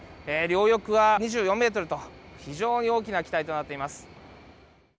両翼は、２４メートルと非常に大きな機体となっています。